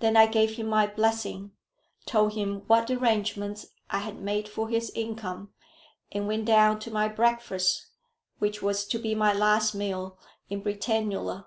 Then I gave him my blessing, told him what arrangements I had made for his income, and went down to my breakfast, which was to be my last meal in Britannula.